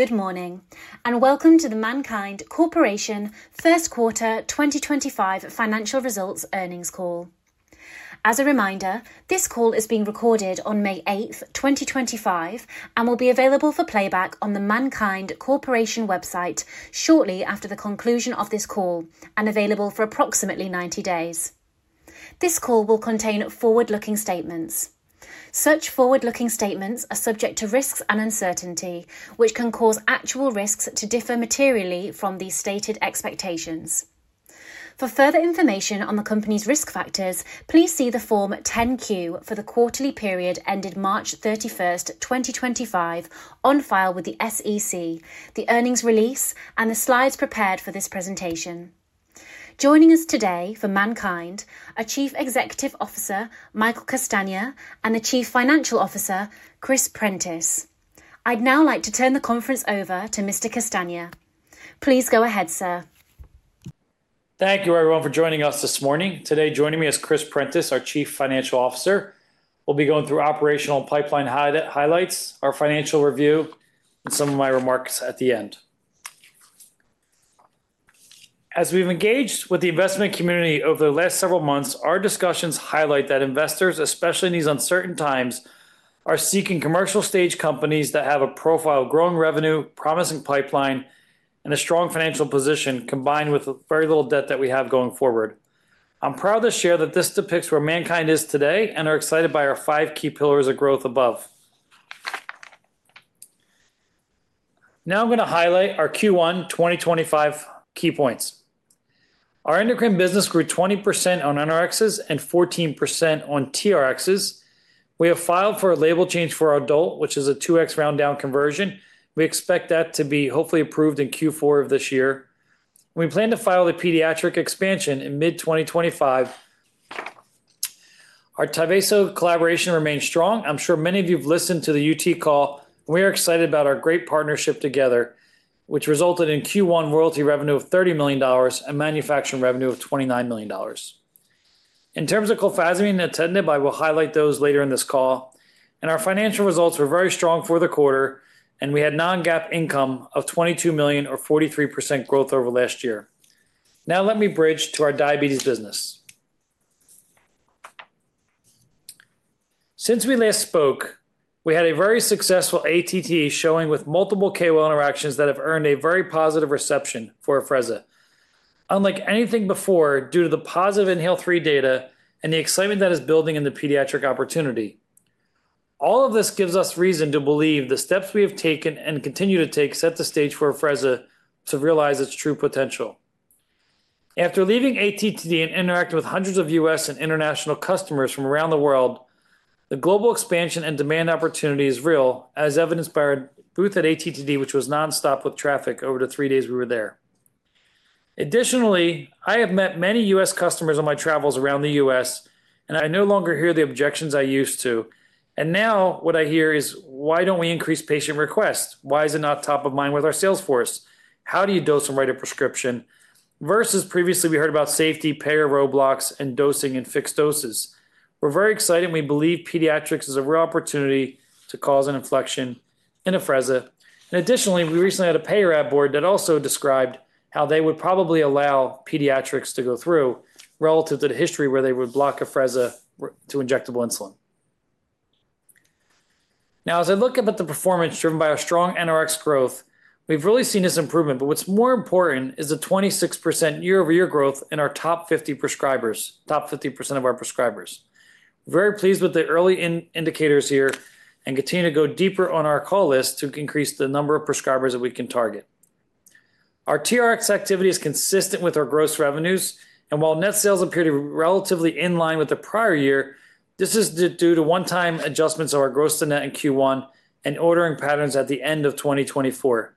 Good morning, and welcome to the MannKind Corporation First Quarter 2025 Financial Results Earnings Call. As a reminder, this call is being recorded on May 8th, 2025, and will be available for playback on the MannKind Corporation website shortly after the conclusion of this call and available for approximately 90 days. This call will contain forward-looking statements. Such forward-looking statements are subject to risks and uncertainty, which can cause actual results to differ materially from the stated expectations. For further information on the company's risk factors, please see the Form 10-Q for the quarterly period ended March 31st, 2025, on file with the SEC, the earnings release, and the slides prepared for this presentation. Joining us today for MannKind are Chief Executive Officer Michael Castagna and the Chief Financial Officer Chris Prentiss. I'd now like to turn the conference over to Mr. Castagna. Please go ahead, sir. Thank you, everyone, for joining us this morning. Today, joining me is Chris Prentiss, our Chief Financial Officer. We'll be going through operational pipeline highlights, our financial review, and some of my remarks at the end. As we've engaged with the investment community over the last several months, our discussions highlight that investors, especially in these uncertain times, are seeking commercial stage companies that have a profile of growing revenue, promising pipeline, and a strong financial position, combined with very little debt that we have going forward. I'm proud to share that this depicts where MannKind is today and are excited by our five key pillars of growth above. Now I'm going to highlight our Q1 2025 key points. Our endocrine business grew 20% on NRXs and 14% on TRXs. We have filed for a label change for our adult, which is a 2x round-down conversion. We expect that to be hopefully approved in Q4 of this year. We plan to file the pediatric expansion in mid-2025. Our TYVASO collaboration remains strong. I'm sure many of you have listened to the UT call, and we are excited about our great partnership together, which resulted in Q1 royalty revenue of $30 million and manufacturing revenue of $29 million. In terms of clofazimine and nintedanib, I will highlight those later in this call. Our financial results were very strong for the quarter, and we had non-GAAP income of $22 million, or 43% growth over last year. Now let me bridge to our diabetes business. Since we last spoke, we had a very successful ATT showing with multiple KOL interactions that have earned a very positive reception for Afrezza, unlike anything before due to the positive INHALE-3 data and the excitement that is building in the pediatric opportunity. All of this gives us reason to believe the steps we have taken and continue to take set the stage for Afrezza to realize its true potential. After leaving ATTD and interacting with hundreds of U.S. and international customers from around the world, the global expansion and demand opportunity is real, as evidenced by our booth at ATTD, which was nonstop with traffic over the three days we were there. Additionally, I have met many U.S. customers on my travels around the U.S., and I no longer hear the objections I used to. Now what I hear is, why do not we increase patient requests? Why is it not top of mind with our salesforce? How do you dose and write a prescription? Versus previously, we heard about safety, payer roadblocks, and dosing in fixed doses. We're very excited, and we believe pediatrics is a real opportunity to cause an inflection in Afrezza. Additionally, we recently had a payer ad board that also described how they would probably allow pediatrics to go through relative to the history where they would block Afrezza to injectable insulin. Now, as I look at the performance driven by our strong NRX growth, we've really seen this improvement, but what's more important is the 26% year-over-year growth in our top 50 prescribers, top 50% of our prescribers. Very pleased with the early indicators here and continue to go deeper on our call list to increase the number of prescribers that we can target. Our TRX activity is consistent with our gross revenues, and while net sales appear to be relatively in line with the prior year, this is due to one-time adjustments of our gross-to-net in Q1 and ordering patterns at the end of 2024.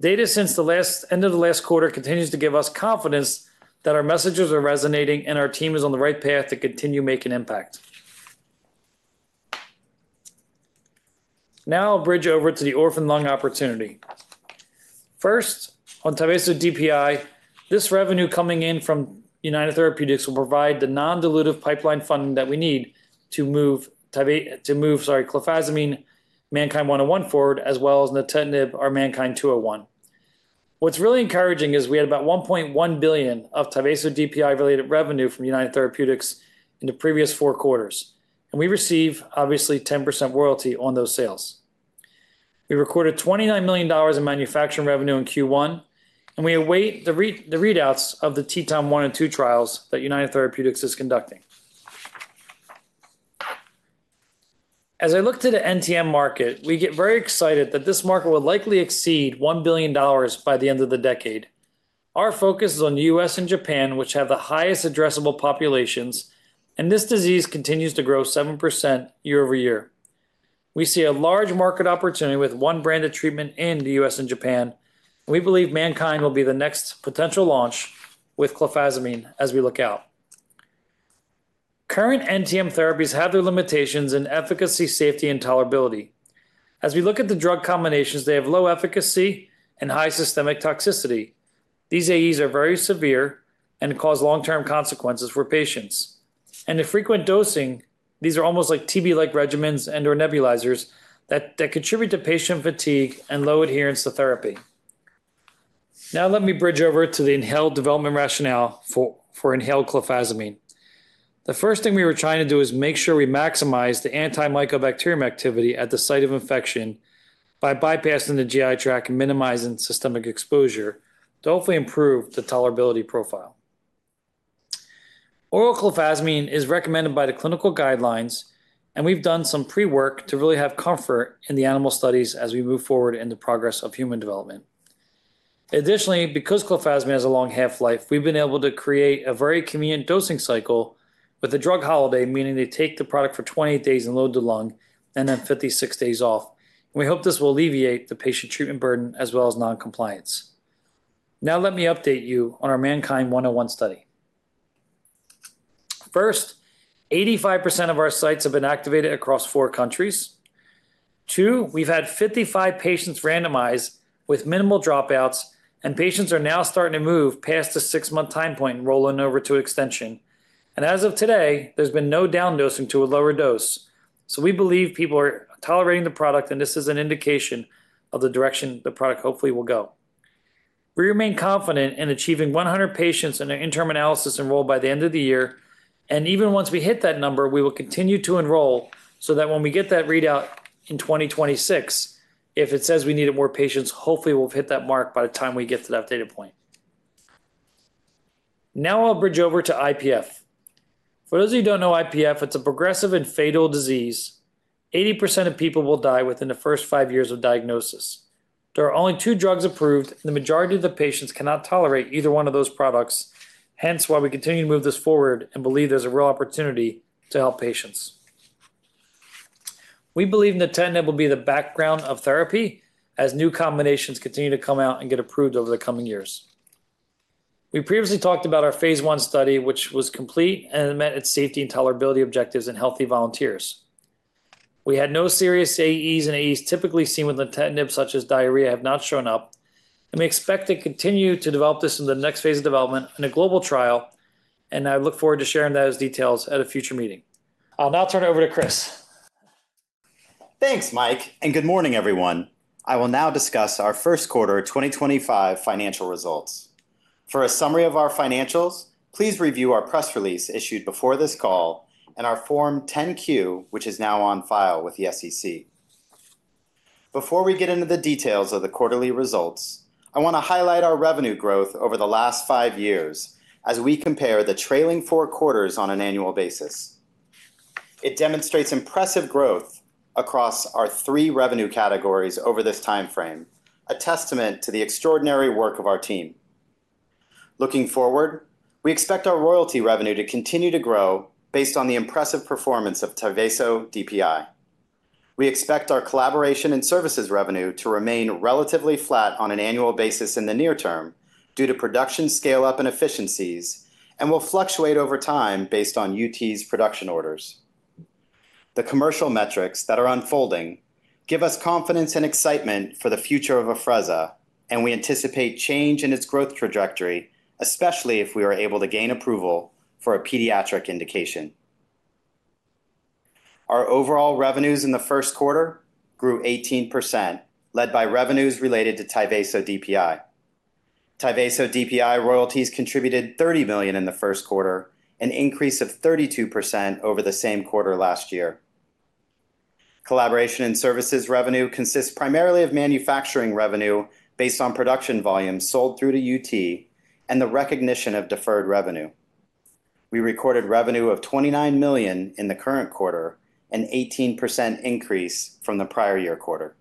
Data since the end of the last quarter continues to give us confidence that our messages are resonating and our team is on the right path to continue making impact. Now I'll bridge over to the orphan lung opportunity. First, on TYVASO DPI, this revenue coming in from United Therapeutics will provide the non-dilutive pipeline funding that we need to move, sorry, clofazimine MannKind 101 forward, as well as nintedanib, our MannKind 201. What's really encouraging is we had about $1.1 billion of TYVASO DPI-related revenue from United Therapeutics in the previous four quarters, and we receive, obviously, 10% royalty on those sales. We recorded $29 million in manufacturing revenue in Q1, and we await the readouts of the TETON-1 and 2 trials that United Therapeutics is conducting. As I look to the NTM market, we get very excited that this market will likely exceed $1 billion by the end of the decade. Our focus is on the U.S. and Japan, which have the highest addressable populations, and this disease continues to grow 7% year over year. We see a large market opportunity with one branded treatment in the U.S. and Japan, and we believe MannKind will be the next potential launch with clofazimine as we look out. Current NTM therapies have their limitations in efficacy, safety, and tolerability. As we look at the drug combinations, they have low efficacy and high systemic toxicity. These AEs are very severe and cause long-term consequences for patients. In frequent dosing, these are almost like TB-like regimens and/or nebulizers that contribute to patient fatigue and low adherence to therapy. Now let me bridge over to the inhaled development rationale for inhaled clofazimine. The first thing we were trying to do is make sure we maximize the anti-mycobacterium activity at the site of infection by bypassing the GI tract and minimizing systemic exposure to hopefully improve the tolerability profile. Oral clofazimine is recommended by the clinical guidelines, and we've done some pre-work to really have comfort in the animal studies as we move forward in the progress of human development. Additionally, because clofazimine has a long half-life, we've been able to create a very convenient dosing cycle with a drug holiday, meaning they take the product for 28 days and load the lung, and then 56 days off. We hope this will alleviate the patient treatment burden as well as non-compliance. Now let me update you on our MannKind 101 study. First, 85% of our sites have been activated across four countries. Two, we've had 55 patients randomized with minimal dropouts, and patients are now starting to move past the six-month time point and rolling over to extension. As of today, there's been no down-dosing to a lower dose. We believe people are tolerating the product, and this is an indication of the direction the product hopefully will go. We remain confident in achieving 100 patients in our interim analysis enrolled by the end of the year. Even once we hit that number, we will continue to enroll so that when we get that readout in 2026, if it says we needed more patients, hopefully we'll hit that mark by the time we get to that data point. Now I'll bridge over to IPF. For those of you who don't know IPF, it's a progressive and fatal disease. 80% of people will die within the first five years of diagnosis. There are only two drugs approved, and the majority of the patients cannot tolerate either one of those products. Hence, while we continue to move this forward and believe there's a real opportunity to help patients. We believe Nintedanib will be the background of therapy as new combinations continue to come out and get approved over the coming years. We previously talked about our phase I study, which was complete and met its safety and tolerability objectives in healthy volunteers. We had no serious AEs and AEs typically seen with nintedanib, such as diarrhea, have not shown up. We expect to continue to develop this in the next phase of development in a global trial, and I look forward to sharing those details at a future meeting. I'll now turn it over to Chris. Thanks, Mike, and good morning, everyone. I will now discuss our first quarter 2025 financial results. For a summary of our financials, please review our press release issued before this call and our Form 10-Q, which is now on file with the SEC. Before we get into the details of the quarterly results, I want to highlight our revenue growth over the last five years as we compare the trailing four quarters on an annual basis. It demonstrates impressive growth across our three revenue categories over this time frame, a testament to the extraordinary work of our team. Looking forward, we expect our royalty revenue to continue to grow based on the impressive performance of TYVASO DPI. We expect our collaboration and services revenue to remain relatively flat on an annual basis in the near term due to production scale-up and efficiencies, and will fluctuate over time based on UT's production orders. The commercial metrics that are unfolding give us confidence and excitement for the future of Afrezza, and we anticipate change in its growth trajectory, especially if we are able to gain approval for a pediatric indication. Our overall revenues in the first quarter grew 18%, led by revenues related to TYVASO DPI. TYVASO DPI royalties contributed $30 million in the first quarter, an increase of 32% over the same quarter last year. Collaboration and services revenue consists primarily of manufacturing revenue based on production volumes sold through to UT and the recognition of deferred revenue. We recorded revenue of $29 million in the current quarter, an 18% increase from the prior year quarter.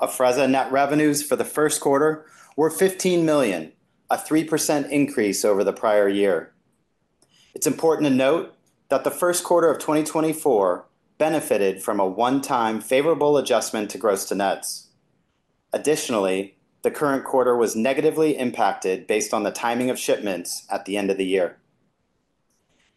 Afrezza net revenues for the first quarter were $15 million, a 3% increase over the prior year. It's important to note that the first quarter of 2024 benefited from a one-time favorable adjustment to gross-to-nets. Additionally, the current quarter was negatively impacted based on the timing of shipments at the end of the year.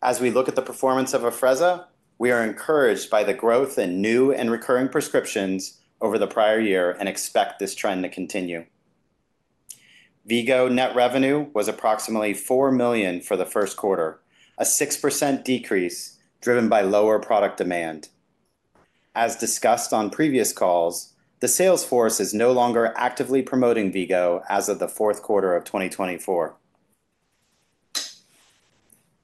As we look at the performance of Afrezza, we are encouraged by the growth in new and recurring prescriptions over the prior year and expect this trend to continue. V-Go net revenue was approximately $4 million for the first quarter, a 6% decrease driven by lower product demand. As discussed on previous calls, the salesforce is no longer actively promoting V-Go as of the fourth quarter of 2024.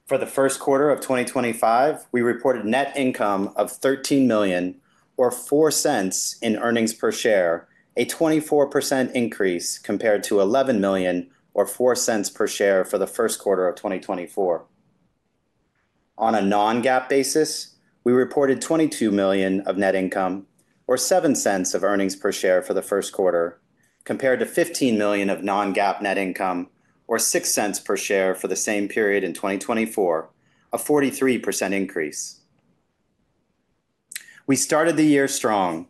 For the first quarter of 2025, we reported net income of $13 million, or $0.04 in earnings per share, a 24% increase compared to $11 million, or $0.04 per share for the first quarter of 2024. On a non-GAAP basis, we reported $22 million of net income, or $0.07 of earnings per share for the first quarter, compared to $15 million of non-GAAP net income, or $0.06 per share for the same period in 2024, a 43% increase. We started the year strong.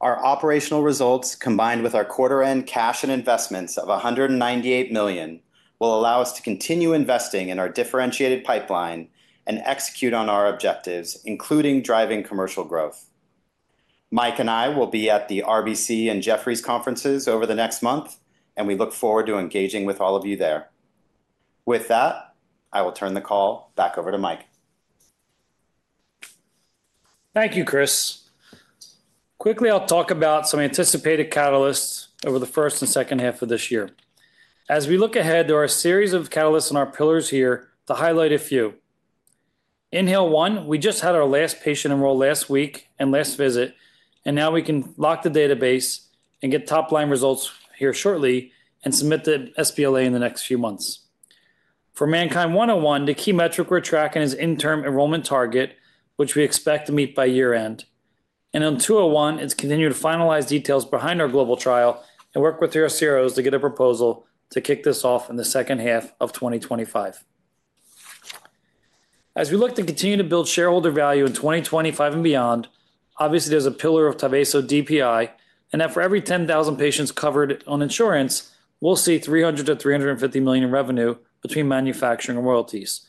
Our operational results, combined with our quarter-end cash and investments of $198 million, will allow us to continue investing in our differentiated pipeline and execute on our objectives, including driving commercial growth. Mike and I will be at the RBC and Jefferies conferences over the next month, and we look forward to engaging with all of you there. With that, I will turn the call back over to Mike. Thank you, Chris. Quickly, I'll talk about some anticipated catalysts over the first and second half of this year. As we look ahead, there are a series of catalysts in our pillars here to highlight a few. INHALE-1, we just had our last patient enrolled last week and last visit, and now we can lock the database and get top-line results here shortly and submit the sBLA in the next few months. For MannKind 101, the key metric we're tracking is interim enrollment target, which we expect to meet by year-end. On 201, it's continued to finalize details behind our global trial and work with our CROs to get a proposal to kick this off in the second half of 2025. As we look to continue to build shareholder value in 2025 and beyond, obviously, there's a pillar of TYVASO DPI, and that for every 10,000 patients covered on insurance, we'll see $300 million-$350 million in revenue between manufacturing and royalties.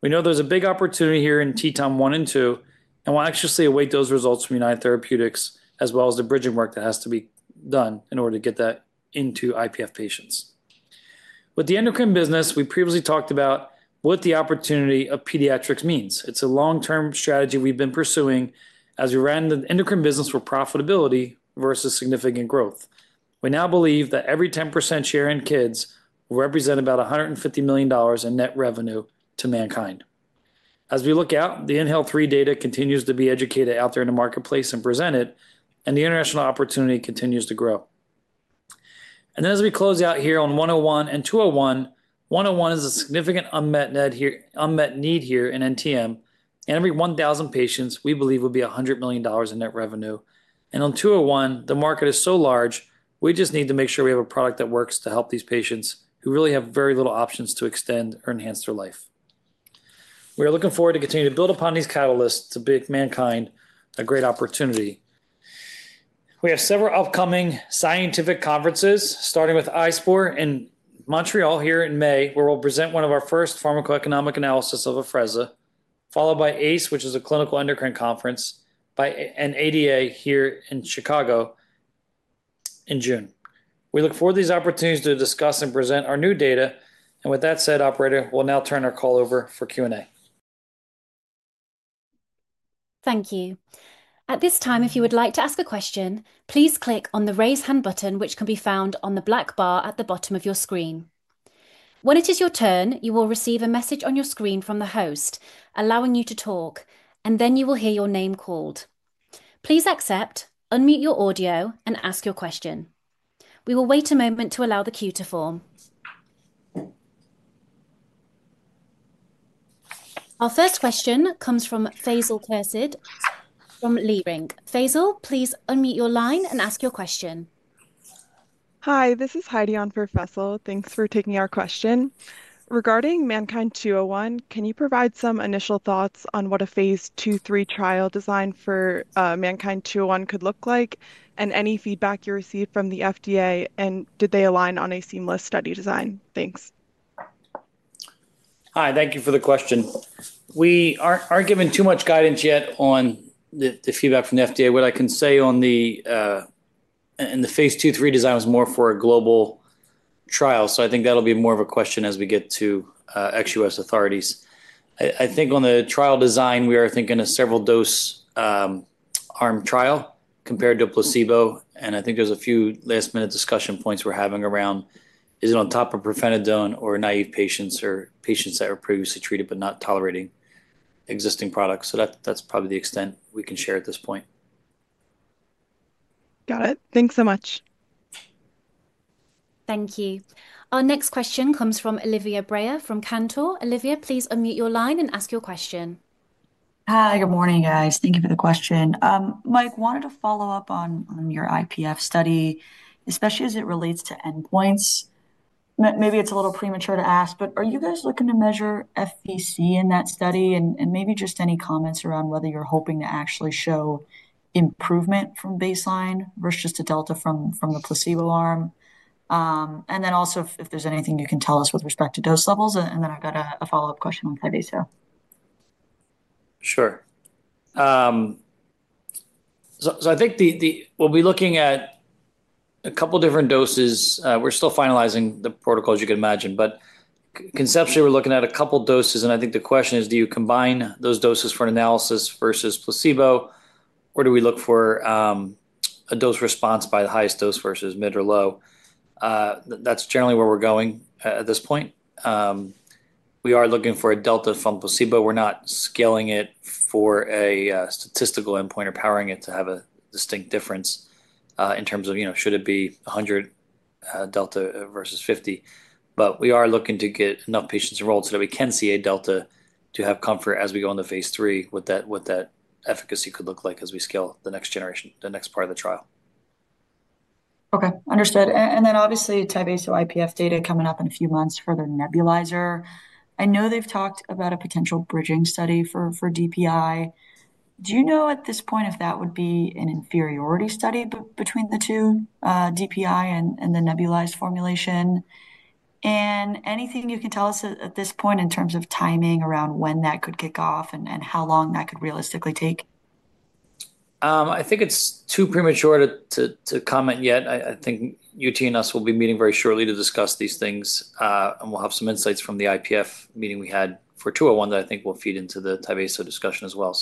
We know there's a big opportunity here in TETON-1 and 2, and we'll anxiously await those results from United Therapeutics, as well as the bridging work that has to be done in order to get that into IPF patients. With the endocrine business, we previously talked about what the opportunity of pediatrics means. It's a long-term strategy we've been pursuing as we ran the endocrine business for profitability versus significant growth. We now believe that every 10% share in kids will represent about $150 million in net revenue to MannKind. As we look out, the INHALE-3 data continues to be educated out there in the marketplace and presented, and the international opportunity continues to grow. As we close out here on 101 and 201, 101 is a significant unmet need here in NTM, and every 1,000 patients, we believe, will be $100 million in net revenue. On 201, the market is so large, we just need to make sure we have a product that works to help these patients who really have very little options to extend or enhance their life. We are looking forward to continuing to build upon these catalysts to make MannKind a great opportunity. We have several upcoming scientific conferences, starting with ISPOR in Montreal here in May, where we'll present one of our first pharmacoeconomic analyses of Afrezza, followed by ACE, which is a clinical endocrine conference, and ADA here in Chicago in June. We look forward to these opportunities to discuss and present our new data. With that said, Operator, we'll now turn our call over for Q&A. Thank you. At this time, if you would like to ask a question, please click on the raise hand button, which can be found on the black bar at the bottom of your screen. When it is your turn, you will receive a message on your screen from the host allowing you to talk, and then you will hear your name called. Please accept, unmute your audio, and ask your question. We will wait a moment to allow the queue to form. Our first question comes from Faisal Khurshid from Leerink. Faisal, please unmute your line and ask your question. Hi, this is Heidi on for Faisal. Thanks for taking our question. Regarding MannKind 201, can you provide some initial thoughts on what a phase two-three trial design for MannKind 201 could look like, and any feedback you received from the FDA, and did they align on a seamless study design? Thanks. Hi, thank you for the question. We aren't given too much guidance yet on the feedback from the FDA. What I can say on the phase two-three design was more for a global trial. I think that'll be more of a question as we get to XUS authorities. I think on the trial design, we are thinking a several-dose arm trial compared to a placebo. I think there's a few last-minute discussion points we're having around, is it on top of pirfenidone or naive patients or patients that were previously treated but not tolerating existing products? That's probably the extent we can share at this point. Got it. Thanks so much. Thank you. Our next question comes from Olivia Brayer from Cantor. Olivia, please unmute your line and ask your question. Hi, good morning, guys. Thank you for the question. Mike, wanted to follow up on your IPF study, especially as it relates to endpoints. Maybe it's a little premature to ask, but are you guys looking to measure FVC in that study and maybe just any comments around whether you're hoping to actually show improvement from baseline versus just a delta from the placebo arm? If there's anything you can tell us with respect to dose levels. I've got a follow-up question on TYVASO. Sure. I think we'll be looking at a couple of different doses. We're still finalizing the protocols, you can imagine. Conceptually, we're looking at a couple of doses. I think the question is, do you combine those doses for analysis versus placebo? Or do we look for a dose response by the highest dose versus mid or low? That's generally where we're going at this point. We are looking for a delta from placebo. We're not scaling it for a statistical endpoint or powering it to have a distinct difference in terms of, should it be 100 delta versus 50? We are looking to get enough patients enrolled so that we can see a delta to have comfort as we go into phase three, what that efficacy could look like as we scale the next generation, the next part of the trial. Okay, understood. Obviously, TYVASO IPF data coming up in a few months for the nebulizer. I know they've talked about a potential bridging study for DPI. Do you know at this point if that would be an inferiority study between the two, DPI and the nebulized formulation? Anything you can tell us at this point in terms of timing around when that could kick off and how long that could realistically take? I think it's too premature to comment yet. I think UT and us will be meeting very shortly to discuss these things. We'll have some insights from the IPF meeting we had for 201 that I think will feed into the TYVASO discussion as well.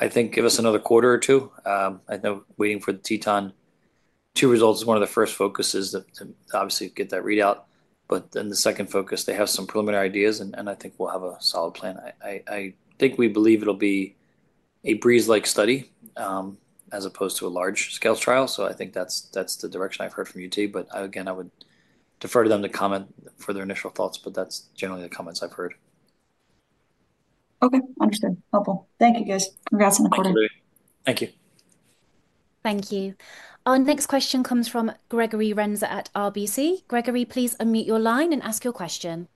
I think give us another quarter or two. I know waiting for the TETON-2 results is one of the first focuses to obviously get that readout. The second focus, they have some preliminary ideas, and I think we'll have a solid plan. I think we believe it'll be a breeze-like study as opposed to a large-scale trial. I think that's the direction I've heard from UT. Again, I would defer to them to comment for their initial thoughts, but that's generally the comments I've heard. Okay, understood. Helpful. Thank you, guys. Congrats on the quarter. Absolutely. Thank you. Thank you. Our next question comes from Gregory Renza at RBC. Gregory, please unmute your line and ask your question.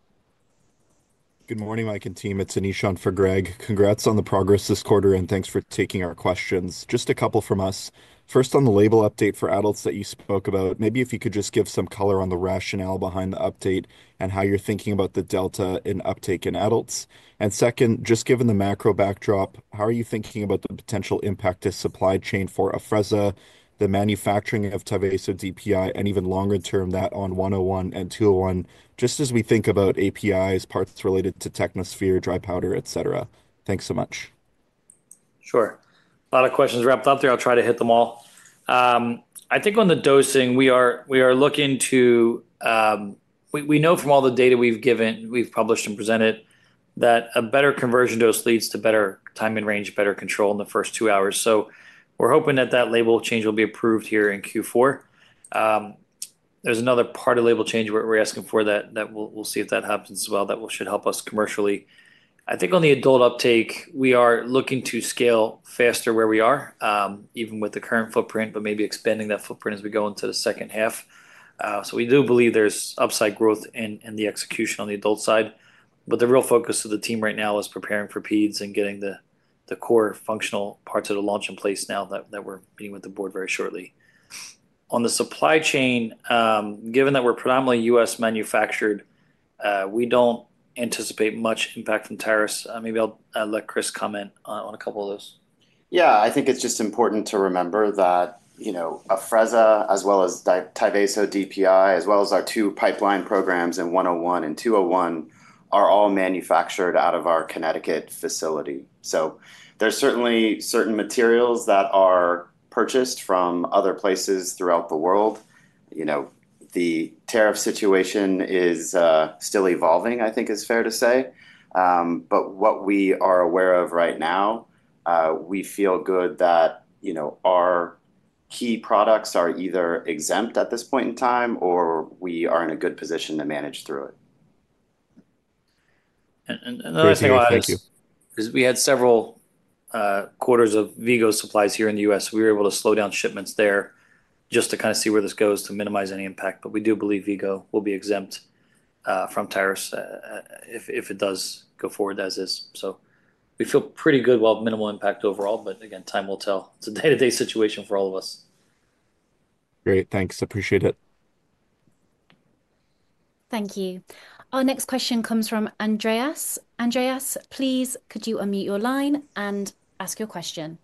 Good morning, Mike and team. It's Anish on for Greg. Congrats on the progress this quarter, and thanks for taking our questions. Just a couple from us. First, on the label update for adults that you spoke about, maybe if you could just give some color on the rationale behind the update and how you're thinking about the delta in uptake in adults. Second, just given the macro backdrop, how are you thinking about the potential impact to supply chain for Afrezza, the manufacturing of TYVASO DPI, and even longer term, that on 101 and 201, just as we think about APIs, parts related to Technosphere, dry powder, etc.? Thanks so much. Sure. A lot of questions wrapped up there. I'll try to hit them all. I think on the dosing, we are looking to—we know from all the data we've given, we've published and presented that a better conversion dose leads to better timing range, better control in the first two hours. We're hoping that that label change will be approved here in Q4. There's another part of label change we're asking for that we'll see if that happens as well that should help us commercially. I think on the adult uptake, we are looking to scale faster where we are, even with the current footprint, but maybe expanding that footprint as we go into the second half. We do believe there's upside growth in the execution on the adult side. The real focus of the team right now is preparing for PEDS and getting the core functional parts of the launch in place now that we're meeting with the board very shortly. On the supply chain, given that we're predominantly U.S. manufactured, we don't anticipate much impact from tariffs. Maybe I'll let Chris comment on a couple of those. Yeah, I think it's just important to remember that Afrezza, as well as TYVASO DPI, as well as our two pipeline programs in 101 and 201, are all manufactured out of our Connecticut facility. There are certainly certain materials that are purchased from other places throughout the world. The tariff situation is still evolving, I think is fair to say. What we are aware of right now, we feel good that our key products are either exempt at this point in time or we are in a good position to manage through it. Another thing I'll add is we had several quarters of V-Go supplies here in the U.S. We were able to slow down shipments there just to kind of see where this goes to minimize any impact. We do believe V-Go will be exempt from tariffs if it does go forward as is. We feel pretty good while minimal impact overall. Again, time will tell. It's a day-to-day situation for all of us. Great. Thanks. Appreciate it. Thank you. Our next question comes from Andreas. Andreas, please, could you unmute your line and ask your question?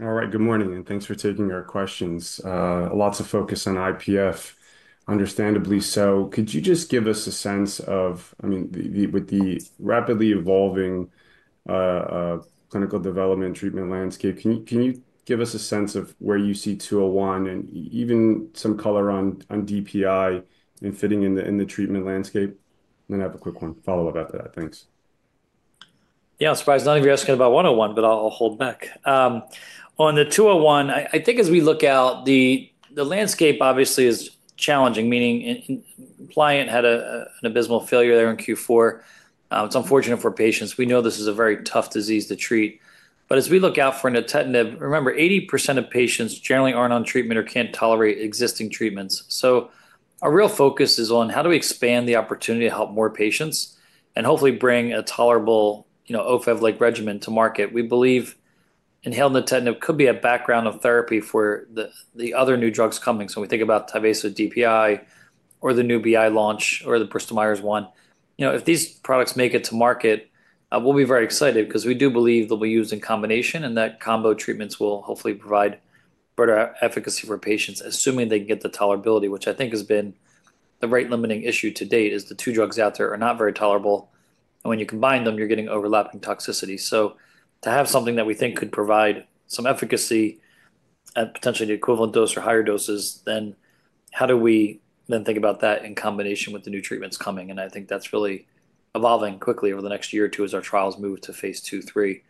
All right, good morning, and thanks for taking our questions. Lots of focus on IPF, understandably so. Could you just give us a sense of, I mean, with the rapidly evolving clinical development treatment landscape, can you give us a sense of where you see 201 and even some color on DPI and fitting in the treatment landscape? And then I have a quick one follow-up after that. Thanks. Yeah, I'm surprised none of you are asking about 101, but I'll hold back. On the 201, I think as we look out, the landscape obviously is challenging, meaning Pliant had an abysmal failure there in Q4. It's unfortunate for patients. We know this is a very tough disease to treat. As we look out for nintedanib, remember, 80% of patients generally aren't on treatment or can't tolerate existing treatments. Our real focus is on how do we expand the opportunity to help more patients and hopefully bring a tolerable OFEV-like regimen to market. We believe inhaled nintedanib could be a background of therapy for the other new drugs coming. When we think about TYVASO DPI or the new BI launch or the Bristol Myers one, if these products make it to market, we'll be very excited because we do believe they'll be used in combination and that combo treatments will hopefully provide better efficacy for patients, assuming they can get the tolerability, which I think has been the rate-limiting issue to date is the two drugs out there are not very tolerable. When you combine them, you're getting overlapping toxicity. To have something that we think could provide some efficacy at potentially the equivalent dose or higher doses, then how do we then think about that in combination with the new treatments coming? I think that's really evolving quickly over the next year or two as our trials move to phase two, three.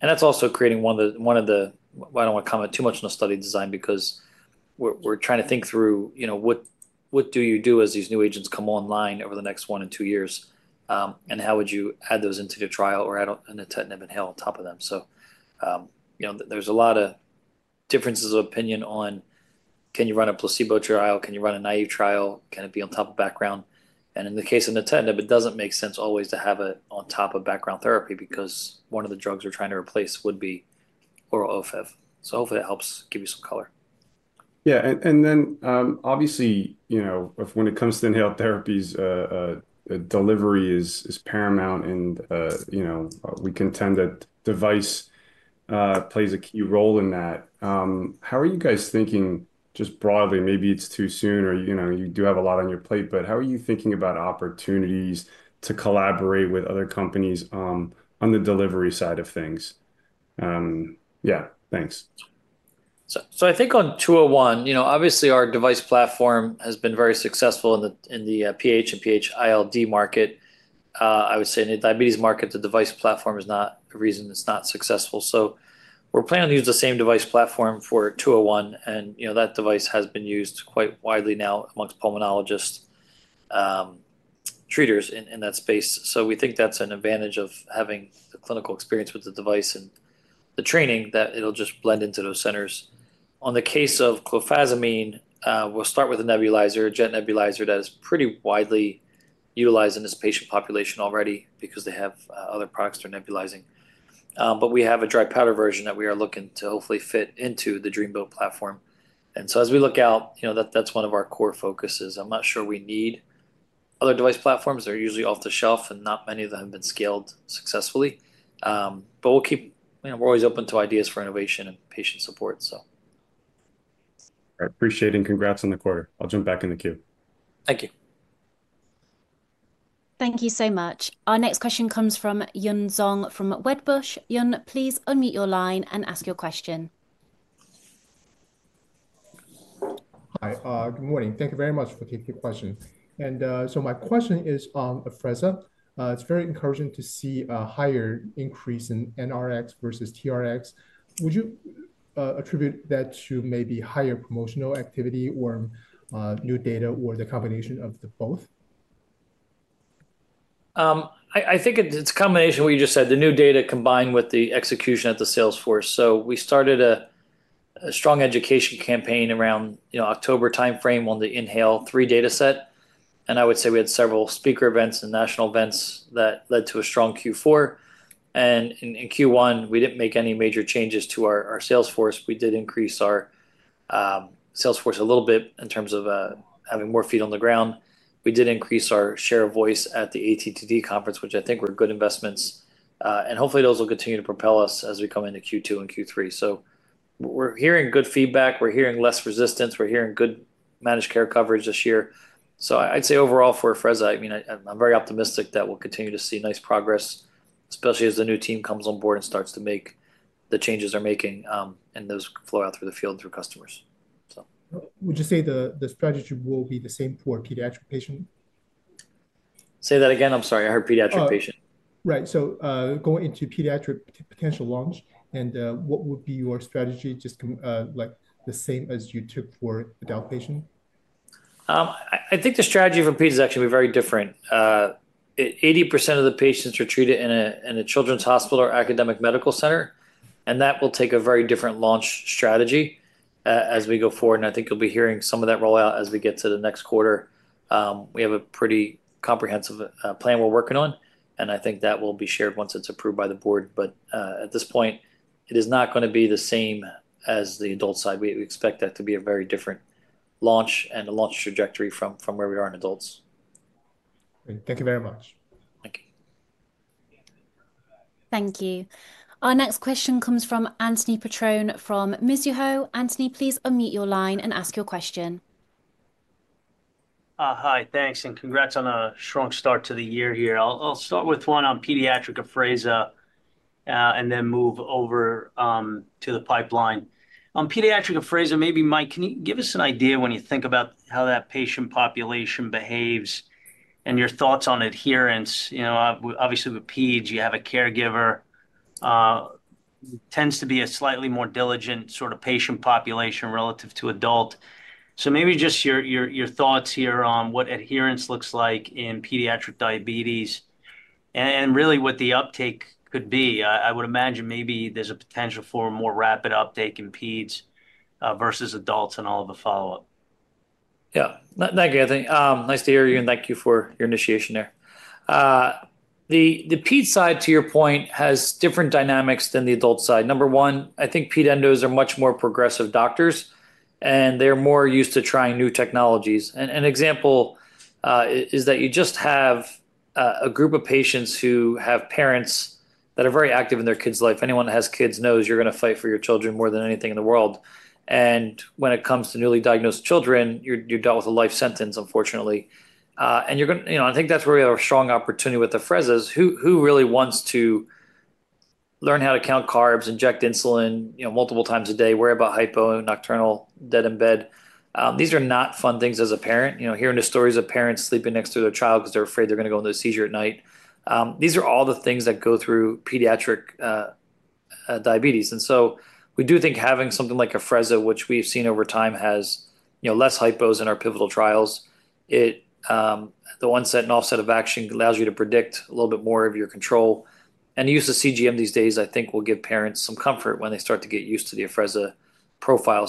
That is also creating one of the—I do not want to comment too much on the study design because we are trying to think through what do you do as these new agents come online over the next one or two years and how would you add those into the trial or add a nintedanib inhaled on top of them. There is a lot of differences of opinion on can you run a placebo trial, can you run a naive trial, can it be on top of background? In the case of nintedanib, it does not make sense always to have it on top of background therapy because one of the drugs we are trying to replace would be oral OFEV. Hopefully that helps give you some color. Yeah. Obviously, when it comes to inhaled therapies, delivery is paramount and we contend that device plays a key role in that. How are you guys thinking just broadly? Maybe it's too soon or you do have a lot on your plate, but how are you thinking about opportunities to collaborate with other companies on the delivery side of things? Yeah, thanks. I think on 201, obviously our device platform has been very successful in the PH and PH-ILD market. I would say in the diabetes market, the device platform is not a reason it's not successful. We are planning to use the same device platform for 201. That device has been used quite widely now amongst pulmonologists, treaters in that space. We think that's an advantage of having the clinical experience with the device and the training that it'll just blend into those centers. In the case of clofazimine, we'll start with a nebulizer, a jet nebulizer that is pretty widely utilized in this patient population already because they have other products they're nebulizing. We have a dry powder version that we are looking to hopefully fit into the Dreamboat platform. As we look out, that's one of our core focuses. I'm not sure we need other device platforms. They're usually off the shelf and not many of them have been scaled successfully. We are always open to ideas for innovation and patient support, so. All right. Appreciate it and congrats on the quarter. I'll jump back in the queue. Thank you. Thank you so much. Our next question comes from Yun Zhong from Wedbush. Yun, please unmute your line and ask your question. Hi, good morning. Thank you very much for taking the question. My question is on Afrezza. It's very encouraging to see a higher increase in NRX versus TRX. Would you attribute that to maybe higher promotional activity or new data or the combination of both? I think it's a combination of what you just said, the new data combined with the execution at the sales force. We started a strong education campaign around October timeframe on the INHALE-3 dataset. I would say we had several speaker events and national events that led to a strong Q4. In Q1, we didn't make any major changes to our sales force. We did increase our sales force a little bit in terms of having more feet on the ground. We did increase our share of voice at the ATTD conference, which I think were good investments. Hopefully those will continue to propel us as we come into Q2 and Q3. We're hearing good feedback. We're hearing less resistance. We're hearing good managed care coverage this year. I'd say overall for Afrezza, I mean, I'm very optimistic that we'll continue to see nice progress, especially as the new team comes on board and starts to make the changes they're making and those flow out through the field and through customers. Would you say the strategy will be the same for pediatric patient? Say that again. I'm sorry. I heard pediatric patient. Right. So going into pediatric potential launch, and what would be your strategy just like the same as you took for adult patient? I think the strategy for PEDS is actually very different. 80% of the patients are treated in a children's hospital or academic medical center. That will take a very different launch strategy as we go forward. I think you'll be hearing some of that rollout as we get to the next quarter. We have a pretty comprehensive plan we're working on. I think that will be shared once it's approved by the board. At this point, it is not going to be the same as the adult side. We expect that to be a very different launch and a launch trajectory from where we are in adults. Thank you very much. Thank you. Thank you. Our next question comes from Anthony Petrone from Mizuho. Anthony, please unmute your line and ask your question. Hi, thanks. Congrats on a strong start to the year here. I'll start with one on pediatric Afrezza and then move over to the pipeline. On pediatric Afrezza, maybe Mike, can you give us an idea when you think about how that patient population behaves and your thoughts on adherence? Obviously, with PEDS, you have a caregiver. It tends to be a slightly more diligent sort of patient population relative to adult. Maybe just your thoughts here on what adherence looks like in pediatric diabetes and really what the uptake could be. I would imagine maybe there's a potential for a more rapid uptake in PEDS versus adults and all of the follow-up. Yeah. Thank you, Anthony. Nice to hear you and thank you for your initiation there. The PED side, to your point, has different dynamics than the adult side. Number one, I think PED endos are much more progressive doctors, and they're more used to trying new technologies. An example is that you just have a group of patients who have parents that are very active in their kids' life. Anyone that has kids knows you're going to fight for your children more than anything in the world. When it comes to newly diagnosed children, you're dealt with a life sentence, unfortunately. I think that's where we have a strong opportunity with Afrezza. Who really wants to learn how to count carbs, inject insulin multiple times a day, worry about hypo and nocturnal dead in bed? These are not fun things as a parent. Hearing the stories of parents sleeping next to their child because they're afraid they're going to go into a seizure at night. These are all the things that go through pediatric diabetes. We do think having something like Afrezza, which we've seen over time has less hypos in our pivotal trials, the onset and offset of action allows you to predict a little bit more of your control. The use of CGM these days, I think, will give parents some comfort when they start to get used to the Afrezza profile.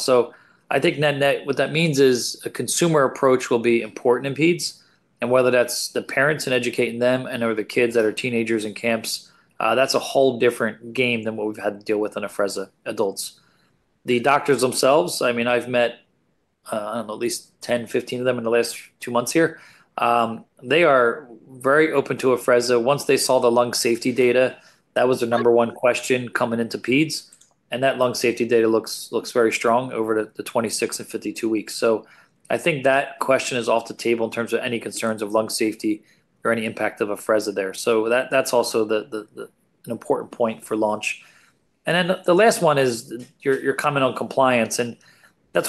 I think what that means is a consumer approach will be important in PEDS. Whether that's the parents and educating them and/or the kids that are teenagers in camps, that's a whole different game than what we've had to deal with on Afrezza adults. The doctors themselves, I mean, I've met, I don't know, at least 10-15 of them in the last two months here. They are very open to Afrezza. Once they saw the lung safety data, that was the number one question coming into PEDS. That lung safety data looks very strong over the 26 and 52 weeks. I think that question is off the table in terms of any concerns of lung safety or any impact of Afrezza there. That is also an important point for launch. The last one is your comment on compliance.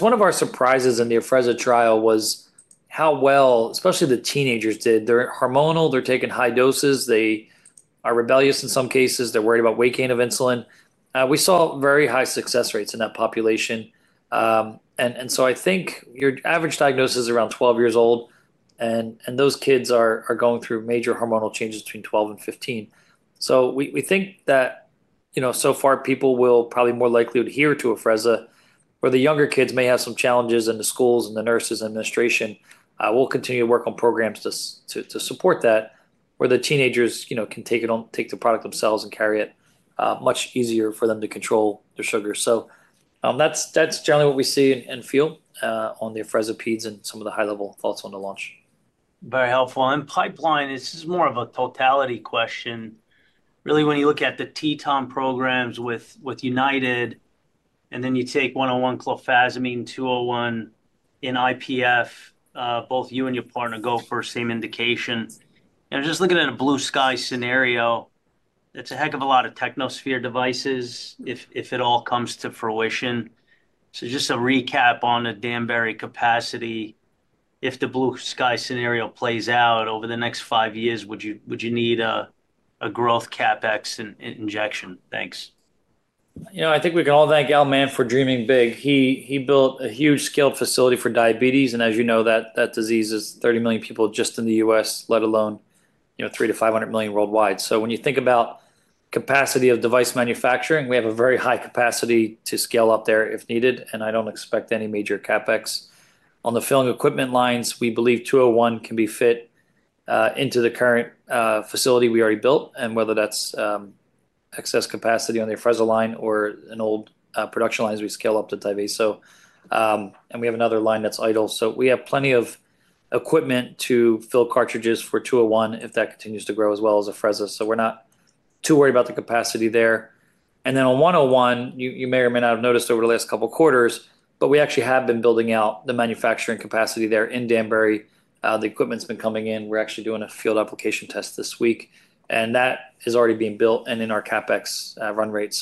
One of our surprises in the Afrezza trial was how well, especially the teenagers, did. They're hormonal. They're taking high doses. They are rebellious in some cases. They're worried about weight gain of insulin. We saw very high success rates in that population. I think your average diagnosis is around 12 years old. Those kids are going through major hormonal changes between 12 and 15. We think that so far, people will probably more likely adhere to Afrezza. Where the younger kids may have some challenges in the schools and the nurses and administration, we'll continue to work on programs to support that. Where the teenagers can take the product themselves and carry it, much easier for them to control their sugar. That's generally what we see and feel on the Afrezza PEDS and some of the high-level thoughts on the launch. Very helpful. Pipeline, this is more of a totality question. Really, when you look at the TYVASO programs with United, and then you take 101, clofazimine, 201 in IPF, both you and your partner go for same indication. Just looking at a blue sky scenario, it's a heck of a lot of Technosphere devices if it all comes to fruition. Just a recap on the Danbury capacity. If the blue sky scenario plays out over the next five years, would you need a growth CapEx injection? Thanks. You know. I think we can all thank Al Mann for dreaming big. He built a huge scale facility for diabetes. And as you know, that disease is 30 million people just in the US, let alone 300-500 million worldwide. When you think about capacity of device manufacturing, we have a very high capacity to scale up there if needed. I don't expect any major CapEx. On the filling equipment lines, we believe 201 can be fit into the current facility we already built. Whether that's excess capacity on the Afrezza line or an old production line, as we scale up to Tyvaso. We have another line that's idle. We have plenty of equipment to fill cartridges for 201 if that continues to grow as well as Afrezza. We're not too worried about the capacity there. On 101, you may or may not have noticed over the last couple of quarters, but we actually have been building out the manufacturing capacity there in Danbury. The equipment's been coming in. We're actually doing a field application test this week. That is already being built and in our CapEx run rate.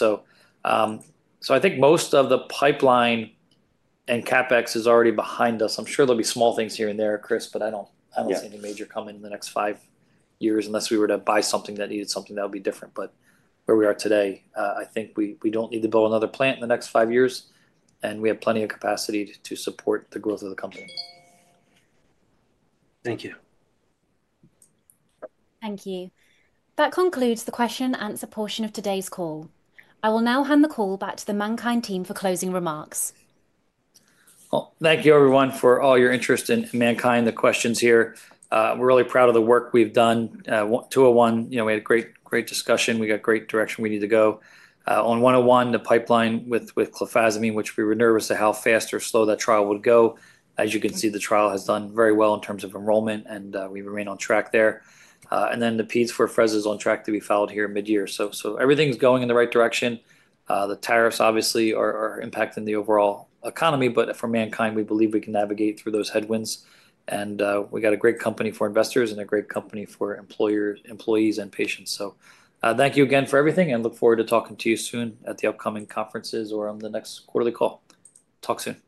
I think most of the pipeline and CapEx is already behind us. I'm sure there'll be small things here and there, Chris, but I don't see any major coming in the next five years unless we were to buy something that needed something that would be different. Where we are today, I think we do not need to build another plant in the next five years. We have plenty of capacity to support the growth of the company. Thank you. Thank you. That concludes the question and answer portion of today's call. I will now hand the call back to the MannKind team for closing remarks. Thank you, everyone, for all your interest in MannKind, the questions here. We're really proud of the work we've done. 201, we had a great discussion. We got great direction we need to go. On 101, the pipeline with clofazimine, which we were nervous of how fast or slow that trial would go. As you can see, the trial has done very well in terms of enrollment, and we remain on track there. The PEDS for Afrezza is on track to be followed here mid-year. Everything's going in the right direction. The tariffs, obviously, are impacting the overall economy, but for MannKind, we believe we can navigate through those headwinds. We got a great company for investors and a great company for employees and patients. Thank you again for everything, and look forward to talking to you soon at the upcoming conferences or on the next quarterly call. Talk soon.